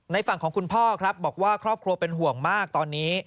ฝั่งของคุณพ่อครับบอกว่าครอบครัวเป็นห่วงมากตอนนี้